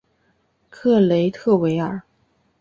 克雷特维尔。